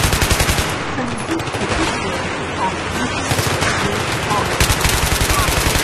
Sa musique est publiée par Boosey & Hawkes.